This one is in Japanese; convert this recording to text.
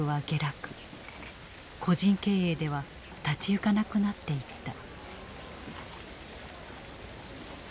個人経営では立ち行かなくなっていった。